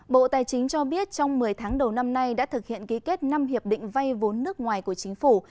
bộ tài chính cho biết trong một mươi tháng đầu năm nay đã thực hiện ký kết năm hiệp định vay vốn nước ngoài của chính phủ